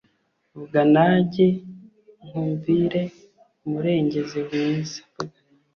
Vuga najye nkumvire murengezi mwiza